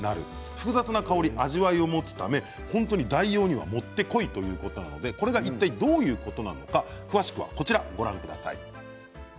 複雑な香り、味わいを持つため本当に代用にはもってこいということなのでこれはいったいどういうことなのか詳しくはこちらをご覧ください。